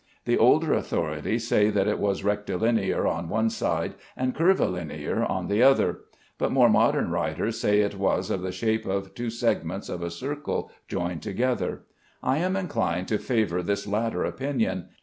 The older authorities say that it was rectilinear on one side and curvilinear on the other; but more modern writers say it was of the shape of two segments of a circle joined together. I am inclined to favor this latter opinion.